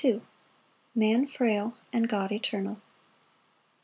C. M. Man frail, and God eternal.